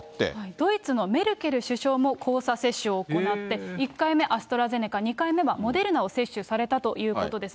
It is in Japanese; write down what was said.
ドイツのメルケル首相も交差接種を行って、１回目、アストラゼネカ、２回目はモデルナを接種されたということです。